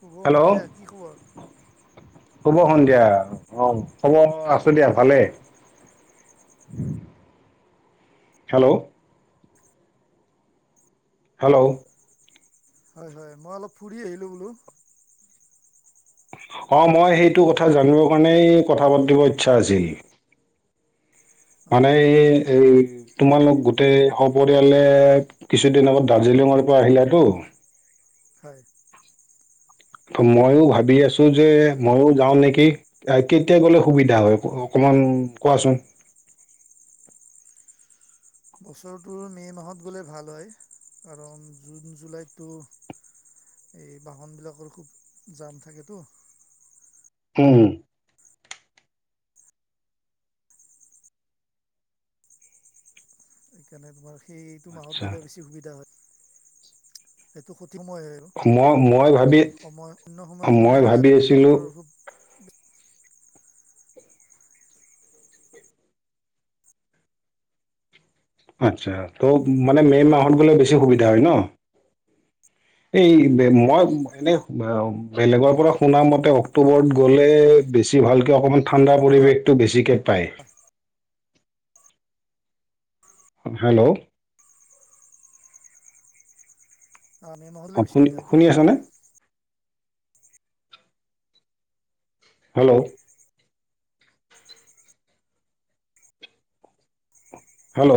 শুভ hello, সন্ধিয়া কি খবৰ হ'ব অঁ সন্ধিয়া। অ', খবৰ, আছো দিয়া ভালে। হেল্ল'। হেল্ল'। হয়, হয়, মই অলপ ফুৰি আহিলো বোলো। অ', মই সেইটো কথা জানিবৰ কাৰণেই কথা পাতিব ইচ্ছা আছিল। উম, মানে এই এই তোমালোক গোটেই সপৰিয়ালে কিছুদিন আগত দাৰ্জিলিঙৰ পৰা আহিলাতো। হয়। মইও ভাবি আছো যে মইও যাওঁ নেকি। কেতিয়া গ'লে সুবিধা হয়? অকমান কোৱাচোন। বছৰটোৰ মে' মাহত গ'লে ভাল হয়। কাৰণ জুন, জুলাইতটো এই বাহনবিলাকৰ খুব জাম থাকেতো। উম। সেইকাৰণে তোমাৰ সেইটো মাহত আচ্ছা গ'লে বেছি সুবিধা হয়। সেইটো সঠিক সময়ে আৰু মই মই উম ভাবি অন্য সময়ত মানে মই ভাবি আছিলো গাড়ীবোৰৰ খুব আচ্ছা, ত' মানে মে' মাহত উম, গ'লে বেছি সুবিধা হয় ন'। এই মই এনেই বেলেগৰ পৰা শুনামতে অক্টোবৰত গ'লে বেছি ভালকে অকমান ঠাণ্ডা পৰিৱেশতটো বেছিকে পায়। হয়। হেল্ল'। মে' মাহত গ'লে অ', বেছি শুনি, সুবিধা হয়। এইটো শুনি আছা নে? হেল্ল'। হেল্ল'।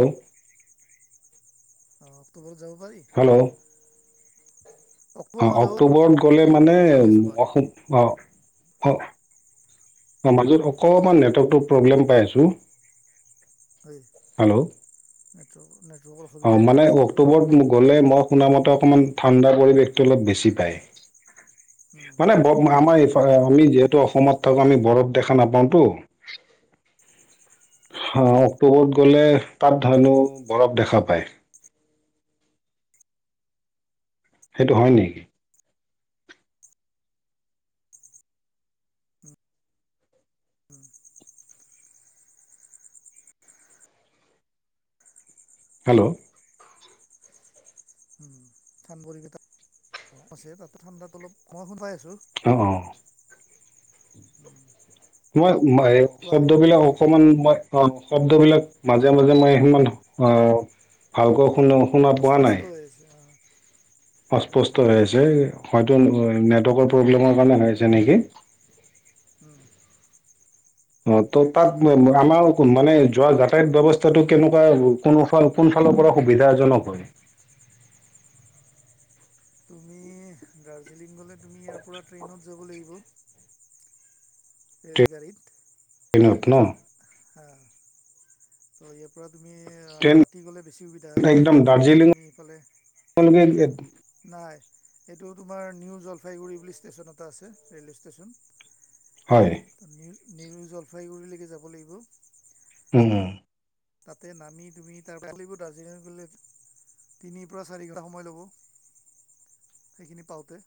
অ', অক্টোবৰত যাব পাৰি। হেল্ল'। অক্টোবৰ অ', মাহ যাব অক্টোবৰত গ'লে মানে, শুনি আছোঁ মই অ' অ', অ', মাজত অকণমান নেটৱৰ্কটোৰ প্ৰব্লেম পাই আছোঁ। হয়। হেল্ল'। নেটৱৰ্কৰ, নেটৱৰ্কৰ অ অসুবিধা দি মানে আছে বাৰু। অক্টোবৰত গ'লে মই শুনা মতে অকমান ঠাণ্ডা পৰিৱেশটো অলপ বেছি পায়। মানে আমাৰ ইফা, আমি যিহেতু অসমত থাকোঁ, আমি বৰফ দেখা নাপাওঁতো। অ', অক্টোবৰত গ'লে তাত ধানো বৰফ দেখা পায়। সেইটো হয় নেকি? অ'। হেল্ল'। উম, থান পৰিবেশত আছে, তাতে ঠাণ্ডাটো অলপ কম পাই আছো। অ', অ'। অ'। মই, মই শব্দবিলাক অকমান মই অ' শব্দবিলাক মাজে মাজে মই সিমান আহ ভালকৈ শুন, শুনা পোৱা অস্পষ্ট নাই। আছে অ [unintelligible] অস্পষ্ট হয় হৈ আছে, হয়তো নেটৱৰ্কৰ প্ৰব্লেমৰ কাৰণে হৈ আছে নেকি? উম। অ', ত' তাত আমাৰ মানে যোৱা যাতায়ত ব্যৱস্থাটো কেনেকুৱা? কোনফাল, কোনফালৰ পৰা সুবিধাজনক হয়? তুমি দাৰ্জিলিং গ'লে তুমি ইয়াৰপৰা ট্ৰেইনত যাব লাগিব। ৰেলগাড়ীত। ট্ৰেইনত ন'? হ। ত' ইয়াৰপৰা তুমি ট্ৰেইন ৰাতি গ'লে বেছি সুবিধা হয় যদি ৰাতি যোৱা তুমি সেইফালে তোমালোকে এড নাই এইটো তোমাৰ নিউ জলপাইগুৰি বুলি ষ্টেচন এটা আছে ৰে'ল ষ্টেচন। হয়। নে-নেৰু জলপাইগুৰিলৈকে যাব লাগিব। উম, হুম। তাতে নামি তুমি তাৰপৰা দাৰ্জিলিং গ'লে এই তিনিৰপৰা চাৰি ঘণ্টা সময় ল'ব সেইখিনি পাওঁতে।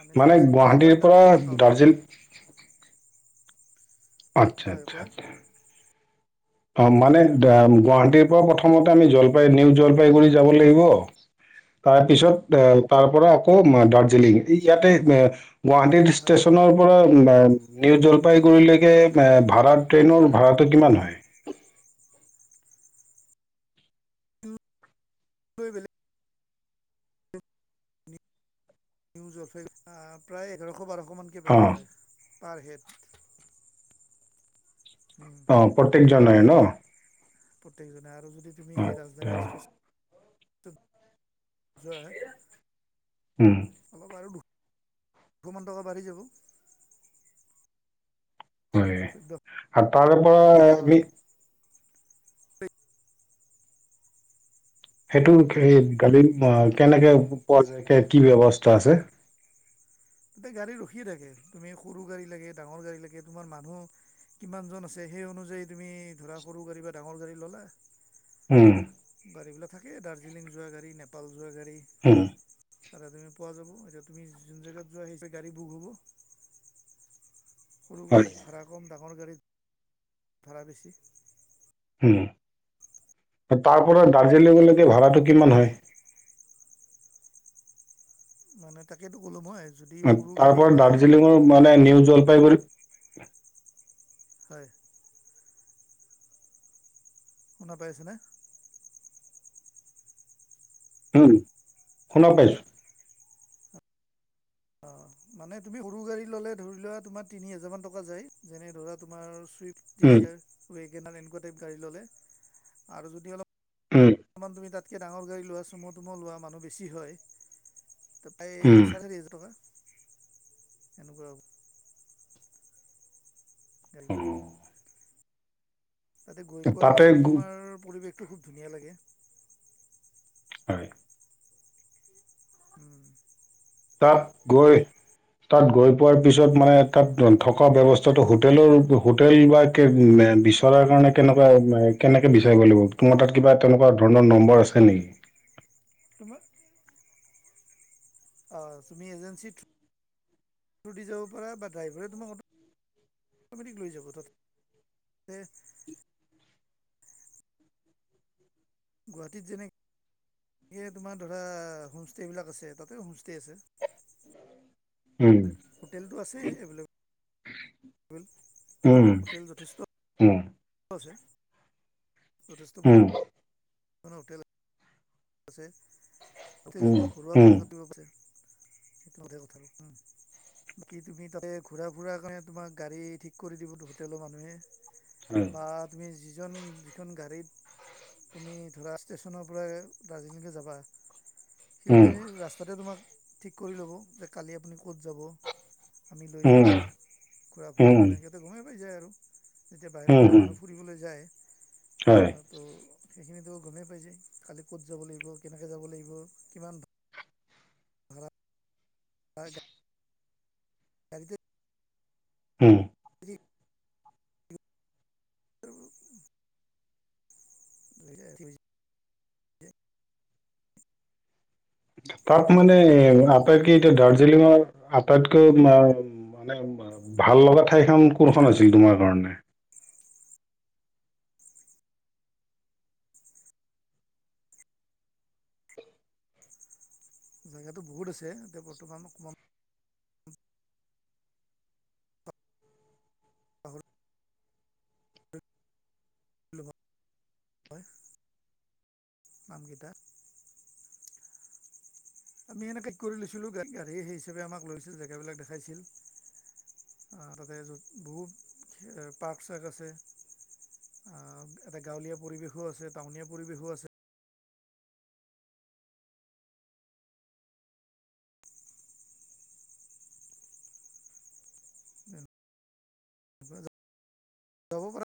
মানে গুৱাহাটীৰ ষ্টেচনৰপৰা পৰা দাৰ্জিলিং পাওঁতে। [unintelligible] আচ্ছা হয় আচ্ছা কোৱা আচ্ছা। অ' মানে উম গুৱাহাটীৰপৰা প্ৰথমতে আমি জলপাই নিউ জলপাইগুৰি যাব লাগিব। তাৰপিছত এ, তাৰপৰা আকৌ দাৰ্জিলিং ইয়াতে গুৱাহাটীৰ হয় ষ্টেচনৰ পৰা নিউ জলপাইগুৰিলৈকে এ, ভাড়া ট্ৰেইনৰ ভাড়াটো কিমান হয়? তই বোলে নিউ জলপাইগুড়ি প্ৰায় এঘাৰশ বাৰশ মানকে অ পৰে পাৰ হেড। অ' প্ৰত্যেকজনৰে ন'? প্ৰত্যেকজনে আৰু যদি তুমি আচ্ছা ৰাজধানী এক্সপ্ৰেছ যোৱা উম। অলপ আৰু দু-দুশমান টকা বাঢ়ি যাব। হয়। চৈধ্যশমান আপাৰৰপৰা টকা হ'ব আমি সেইটো সে-গালি কেনেকে পোৱা যায় কি ব্যৱস্থা আছে? তাতে গাড়ী ৰখিয়ে থাকে। তুমি সৰু গাড়ী লাগে, ডাঙৰ গাড়ী লাগে তোমাৰ মানুহ কিমানজন আছে সেই অনুযায়ী তুমি ধৰা সৰু গাড়ী বা ডাঙৰ গাড়ী ল'লা। উম। গাড়ীবিলাক থাকে, দাৰ্জিলিং যোৱা গাড়ী, নেপাল যোৱা গাড়ী। হুম। তাতে তুমি পোৱা যাব, এতিয়া তুমি যোন জেগাত যোৱা সেই গাড়ী বুক হ'ব। সৰু হয় গাড়ীত ভাড়া কম, ডাঙৰ গাড়ীত ভাড়া বেছি। হুম। তাৰপৰা দাৰ্জিলিংলৈক ভাড়াটো কিমান তেনেকুৱা হয় আৰু। মানে তাকেইতো ক'লোঁ মই যদি অ, সৰু তাৰ গাড়ী পৰা হয় দাৰ্জিলিঙৰ তোমাৰ মানে নিউ জলপাইগুৰি হয়। শুনা পাই আছেনে? উম, শুনা পাইছোঁ। অ' মানে তুমি সৰু গাড়ী ল'লে ধৰি লোৱা তোমাৰ তিনি হাজাৰমান টকা যায় যেনে ধৰা তোমাৰ উম, ডিজেয়াৰ, ৱেগেনাৰ এনেকুৱা টাইপ গাড়ী ল'লে আৰু যদি অলপ উম। অকমান তুমি তাতকে ডাঙৰ গাড়ী লোৱা, চুম' তুম' লোৱা মানুহ বেছি হয় এই চাৰে উম, চাৰিহেজাৰ টকা এনেকুৱা হ'ব। গাড়ীলৈ, অ', তাতে গৈ পোৱাৰ তাতে পিছত গ- তোমাৰ পৰিবেশ টো খুব ধুনীয়া লাগে। হয়। উম। তাত গৈ তাত গৈ পোৱাৰ পিছত মানে তাত থকা ব্যৱস্থাটো হোটেলৰ হোটেল বা বিচৰাৰ কাৰণে কেনেকুৱা কেনেকৈ বিচাৰিব লাগিব তোমাৰ তাত কিবা তেনেকুৱা ধৰণৰ নম্বৰ আছে নেকি? তোমাক অ', তুমি এজেঞ্চিৰ থ দি যাব পাৰা বা ড্ৰাইভাৰে তোমাক অ' অটমেটিক লৈ যাব তাতে গুৱাহাটীত যেনে এনেকে তোমাৰ ধৰা হোমষ্টেবিলাক আছে তাতে হোমষ্টে আছে। উম। হোটেলটো আছে এভেইলেবল উম, হোটেল যথেষ্ট উম যথেষ্ট উম, পৰিমা হোটেল আছে তাতে উম, যিটো ঘৰুৱা উম, [unintelligible] আছে। সেইটো [unintelligible] কথাটো। বাকী তুমি তাতে ঘুৰা ফুৰা কাৰণে তোমাক গাড়ী ঠিক কৰি দিবো হোটেলৰ মানুহে। উম, বা তুমি যিজন যিখন গাড়ীত তুমি ধৰা ষ্টেচনৰ পৰা দাৰ্জিলিঙকে যাবা সিহঁতে উম, ৰাস্তাতে তোমাক ঠিক কৰি ল'ব যে কালি আপুনি ক'ত যাব। আমি লৈ যাওঁ উম, আপোনাক ঘুৰা ফুৰাৰ উম, কাৰণে সিহঁতে গমেই পাই যায় আৰু যেতিয়া বাহিৰৰ উম, পৰা উম, মানুহ ফুৰিবলৈ হয় যায় তো সেইখিনিতো গমেই পাইছে খালি ক'ত যাব লাগিব কেনেকৈ যাব লাগিব কিমান ধ [inaudible] [inaudible] উম। আৰু লৈ যায় তাক মানে আটাইতকে এতিয়া দাৰ্জিলিঙৰ আটাইতকৈ মানে ভাল লগা ঠাইখনন কোনখন আছিল তোমাৰ কাৰণে? জেগাটো বহুত আছে এতিয়া বৰ্তমান ক [inaudible] [unintelligible] নামকেইটা আমি এনেকৈ কৰি লৈছিলোঁ গাড়ী সেই হিচাপে আমাক লৈছিল জেগাবিলাক দেখাইছিল। তাতে বহুত পাৰ্ক চাক আছে। আ এটা গাঁৱলীয়া পৰিৱেশো আছে টাউনীয়া পৰিৱেশো আছে। [inaudible]